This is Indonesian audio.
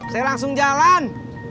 saya langsung jalan